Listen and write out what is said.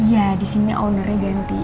iya di sini ownernya ganti